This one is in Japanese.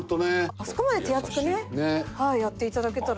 あそこまで手厚くねやって頂けたら。